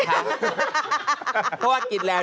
เพราะว่ากินแล้ว